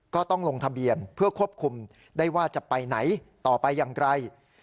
ต้องลงทะเบียนเพื่อควบคุมได้ว่าจะไปไหนต่อไปอย่างไร